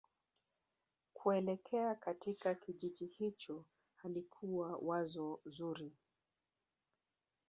kuelekea katika kijiji hicho halikuwa wazo zuri